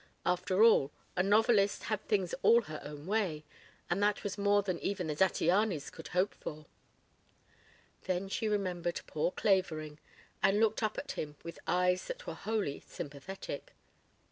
After all, a novelist had things all her own way, and that was more than even the Zattianys could hope for. Then she remembered poor Clavering and looked up at him with eyes that were wholly sympathetic.